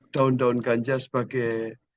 daun daun ganja sebagai